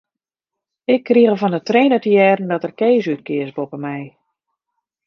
Ik krige fan 'e trainer te hearren dat er Kees útkeas boppe my.